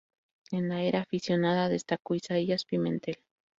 En la era aficionada destacó Isaías Pimentel.